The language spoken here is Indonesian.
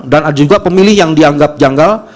ada juga pemilih yang dianggap janggal